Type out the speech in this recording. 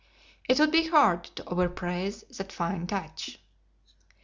It would be hard to overpraise that fine touch."